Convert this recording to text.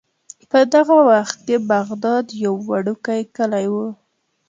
په دغه وخت کې بغداد یو وړوکی کلی و.